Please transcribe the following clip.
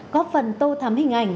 có phần tô thắm hình ảnh